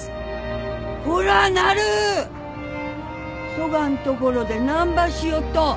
そがんところでなんばしよっと。